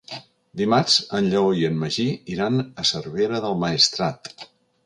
Dimarts en Lleó i en Magí iran a Cervera del Maestrat.